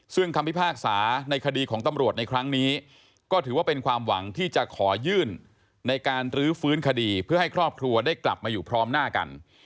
ซึ่งคำพิพากษาในคดีของตำรวจในครั้งนี้ก็ถือว่าเป็นความหวังที่จะขอยื่นในการรื้อฟื้นคดีเพื่อให้ครอบครัวได้กลับมาอยู่พร้อมหน้ากัน